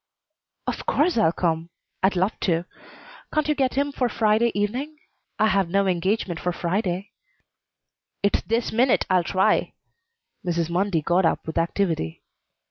"Of course I'll come. I'd love to. Can't you get him for Friday evening? I have no engagement for Friday " "It's this minute I'll try." Mrs. Mundy got up with activity.